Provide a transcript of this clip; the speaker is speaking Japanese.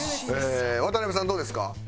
渡邉さんどうですか？